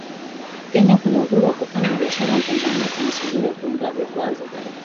Kenya kuna uhuru wa kufanya biashara na Tanzania kuna suluhu ya kuondoa vikwazo